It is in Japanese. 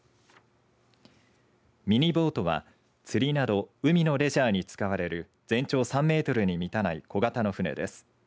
ミニボートは釣りなど海のレジャーに使われる全長３メートルに満たない小型の船です。